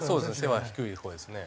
背は低いほうですね。